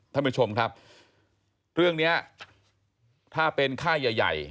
ท่านผู้ชมครับเรื่องนี้ถ้าเป็นค่ายใหญ่